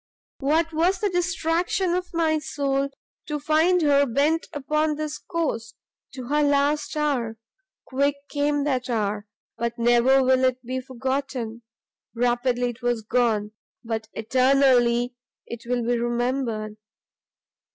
"What was the distraction of my soul, to find her bent upon this course to her last hour! quick came that hour, but never will it be forgotten! rapidly it was gone, but eternally it will be remembered!